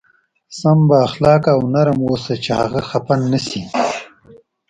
سم با اخلاقه او نرم اوسه چې هغه خفه نه شي.